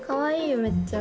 めっちゃ。